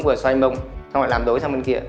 vừa xoay mông xong rồi làm đối sang bên kia